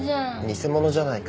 偽物じゃないか。